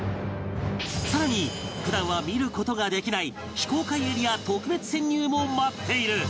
さらに普段は見る事ができない非公開エリア特別潜入も待っている